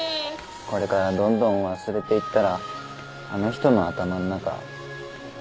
これからどんどん忘れていったらあの人の頭ん中空っぽだよ。